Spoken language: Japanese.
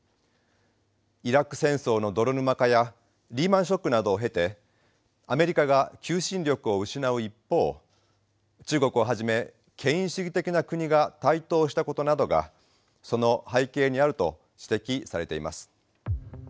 イラク戦争の泥沼化やリーマンショックなどを経てアメリカが求心力を失う一方中国をはじめ権威主義的な国が台頭したことなどがその背景にあると指摘されています。